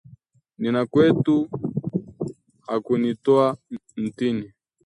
Nina kwetu, hakunitoa mtini